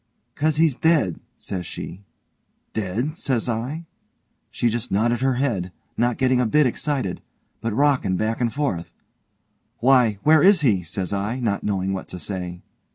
''Cause he's dead', says she. 'Dead?' says I. She just nodded her head, not getting a bit excited, but rockin' back and forth. 'Why where is he?' says I, not knowing what to say.